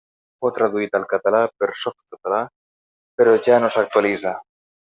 Fou traduït al català per Softcatalà, però ja no s'actualitza.